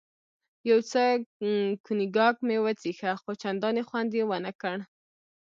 یو څه کونیګاک مې وڅېښه، خو چندانې خوند یې ونه کړ.